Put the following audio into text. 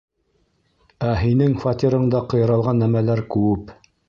Ә һинең фатирыңда ҡыйралған нәмәләр күп!